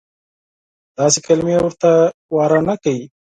داسې کلیمې ورته واره نه کوي.